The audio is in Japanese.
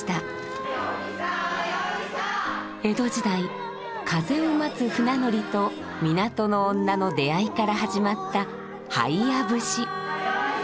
江戸時代風を待つ船乗りと港の女の出会いから始まった「ハイヤ節」。